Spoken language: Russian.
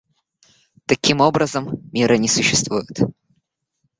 Таким образом, мира не существует.